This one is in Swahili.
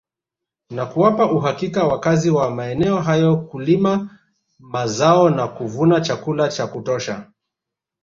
Na kuwapa uhakika wakazi wa maeneo hayo kulima mazaona kuvuna chakula cha kutosha